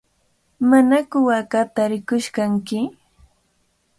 ¿Manaku waakata rirqush kanki?